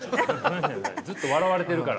ずっと笑われているから。